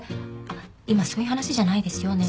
今そういう話じゃないですよお義姉さん。